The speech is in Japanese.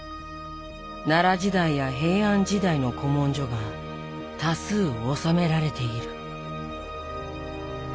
奈良時代や平安時代の古文書が多数納められている。